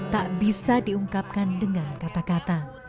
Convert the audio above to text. tak bisa diungkapkan dengan kata kata